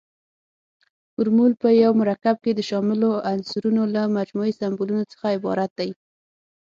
فورمول په یو مرکب کې د شاملو عنصرونو له مجموعي سمبولونو څخه عبارت دی.